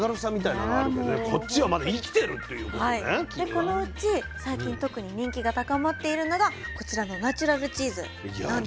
でこのうち最近特に人気が高まっているのがこちらのナチュラルチーズなんです。